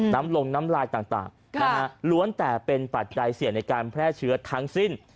น้ำลงน้ำลายต่างล้วนแต่เป็นปัจจัยเสี่ยงในการแพร่เชื้อทั้งสิ้น